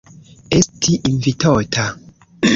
Esti invitota.